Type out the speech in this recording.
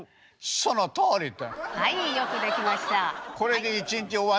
そのとおり」っつって。